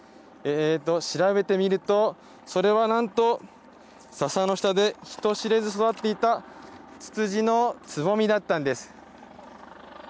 調べてみると、それは何と笹の下で人知れず育っていたツツジのつぼみだったんです。